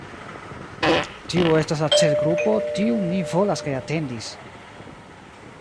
Tiu estas la celgrupo, tiun ni volas kaj atendis.